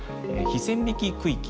非線引き区域。